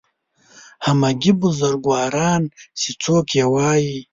همګي بزرګواران چې څوک یې وایي